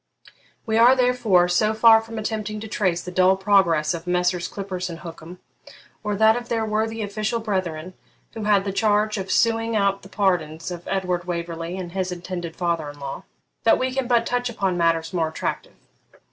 We are, therefore, so far from attempting to trace the dull progress of Messrs. Clippurse and Hookem, or that of their worthy official brethren who had the charge of suing out the pardons of Edward Waverley and his intended father in law, that we can but touch upon matters more attractive.